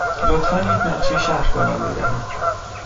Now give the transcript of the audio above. لطفاً یک نقشه شهر به من بدهید.